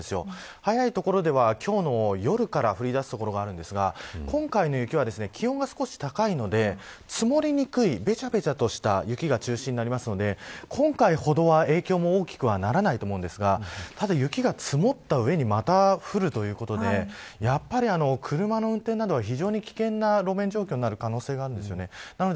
早い所では今日の夜から降りだす所があるんですが今回の雪は、気温が少し高いので積もりにくいべちゃべちゃとした雪が中心となるので今回ほどは影響も大きくならないと思うんですが雪が積もった上にまた降るということでやっぱり、車の上などは非常に危険な路面状況になる可能性があります。